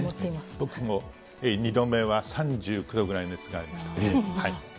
僕も２度目は３９度ぐらい熱がありました。